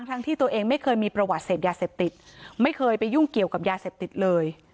ทั้งที่ตัวเองไม่เคยมีประวัติเสพยาเสพติดไม่เคยไปยุ่งเกี่ยวกับยาเสพติดเลย